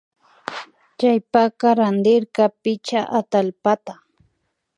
Chaypaka randirka pichka atallpata